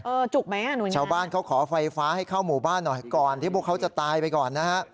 จุกไหมอ่ะชาวบ้านเขาขอไฟฟ้าให้เข้าหมู่บ้านหน่อยก่อนที่พวกเขาจะตายไปก่อนนะฮะ